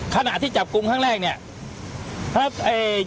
ขณะที่จับกลุ่มครั้งแรกเนี่ย